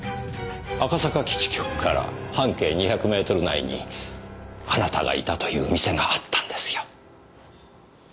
赤坂基地局から半径２００メートル内にあなたがいたという店があったんですよ。